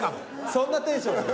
そんなテンション。